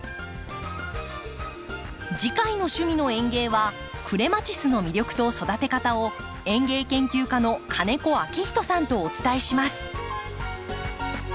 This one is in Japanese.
次回の「趣味の園芸」はクレマチスの魅力と育て方を園芸研究家の金子明人さんとお伝えします。